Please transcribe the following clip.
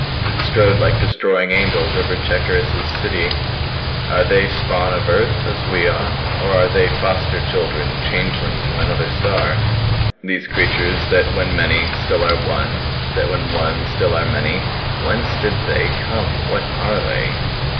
That strode like destroying angels over Cherkis's city? Are they spawn of Earth as we are? Or are they foster children changelings from another star? "These creatures that when many still are one that when one still are many. Whence did They come? What are They?"